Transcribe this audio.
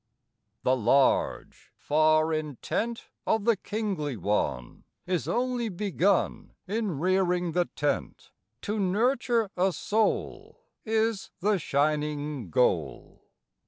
The large, far intent Of the Kingly One Is only begun In rearing the tent; To nurture a soul Is the shining goal.